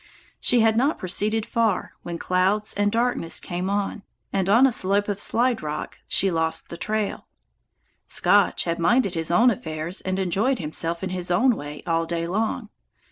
She had not proceeded far when clouds and darkness came on, and on a slope of slide rock she lost the trail. Scotch had minded his own affairs and enjoyed himself in his own way all day long.